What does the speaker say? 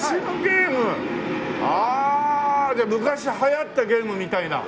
ああじゃあ昔流行ったゲームみたいな。